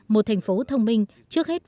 một thành phố thông minh trước hết